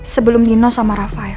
sebelum nino sama rafael